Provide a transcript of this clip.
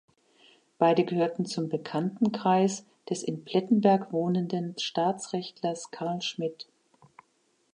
Beide gehörten zum Bekanntenkreis des in Plettenberg wohnenden Staatsrechtlers Carl Schmitt.